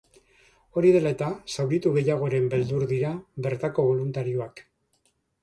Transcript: Hori dela eta, zauritu gehiagoren beldur dira bertako boluntarioak.